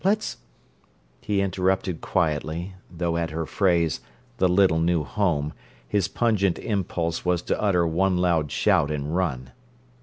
Let's—" He interrupted quietly, though at her phrase, "the little new home," his pungent impulse was to utter one loud shout and run.